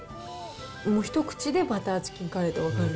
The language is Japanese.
もう、一口でバターチキンカレーと分かる。